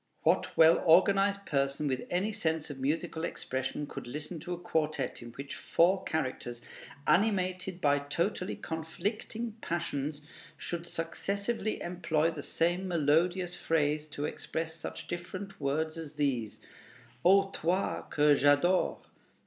What well organized person with any sense of musical expression could listen to a quartet in which four characters, animated by totally conflicting passions, should successively employ the same melodious phrase to express such different words as these: "O, toi que j'adore!"